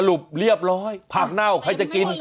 รุปเรียบร้อยผักเน่าใครจะกิน